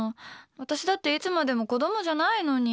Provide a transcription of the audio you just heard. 私だっていつまでも子供じゃないのに。